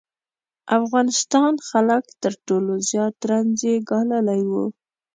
افغانستان خلک تر ټولو زیات رنځ یې ګاللی و.